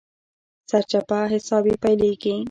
سرچپه حساب يې پيلېږي.